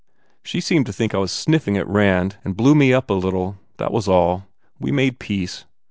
She seemed to think I was sniffing at Rand and blew me up a little. That was all. We made peace.